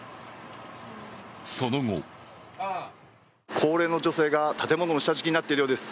高齢の女性が建物の下敷きになっているようです。